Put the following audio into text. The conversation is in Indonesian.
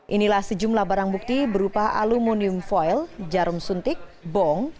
inilah sejumlah barang bukti berupa aluminium foil jarum suntik bong